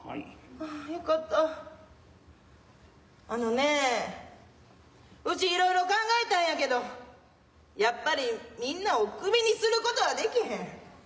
あのねうちいろいろ考えたんやけどやっぱりみんなをクビにすることはできへん。